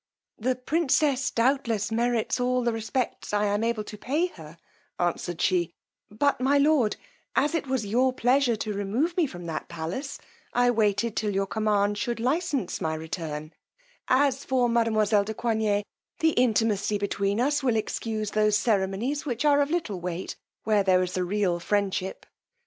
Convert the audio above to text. The princess merits doubtless all the respect I am able to pay her, answered she; but, my lord, as it was your pleasure to remove me from that palace, I waited till your command should licence my return; as for mademoiselle de Coigney, the intimacy between us will excuse those ceremonies which are of little weight where there is a real friendship.